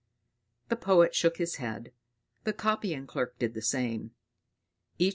The poet shook his head, the copying clerk did the same.